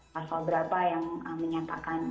pasal berapa yang menyatakan